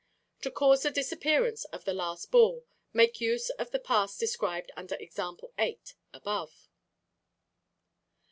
To cause the disappearance of the last ball, make use of the pass described under Example 8 above.